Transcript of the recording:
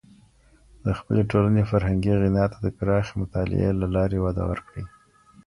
د خپلي ټولني فرهنګي غنا ته د پراخې مطالعې له لاري وده ورکړئ.